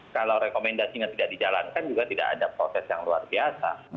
kalau rekomendasinya tidak dijalankan juga tidak ada proses yang luar biasa